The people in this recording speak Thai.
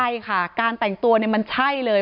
ใช่ค่ะการแต่งตัวเนี่ยมันใช่เลย